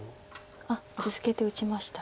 あっ続けて打ちました。